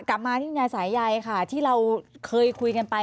กลับมาที่คุณยายสายใยค่ะที่เราเคยคุยกันไป